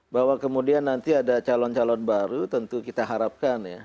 bahwa kemudian nanti ada calon calon baru tentu kita harapkan ya